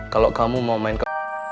kalau kamu mau main ke